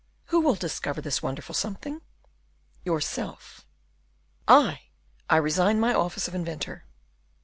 "Who will discover this wonderful something?" "Yourself." "I! I resign my office of inventor."